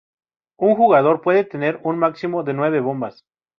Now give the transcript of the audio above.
Un jugador puede tener un máximo de nueve bombas.